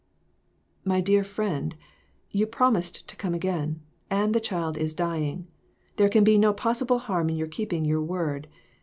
"My dear friend, you promised to come again, and the child is dying ! There can be no possi ble harm in your keeping your word.